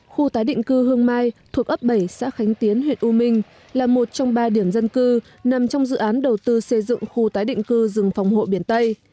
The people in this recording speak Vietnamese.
khu tái định cư hương mai thuộc ấp bảy xã khánh tiến huyện u minh là một trong ba điểm dân cư nằm trong dự án đầu tư xây dựng khu tái định cư rừng phòng hộ biển tây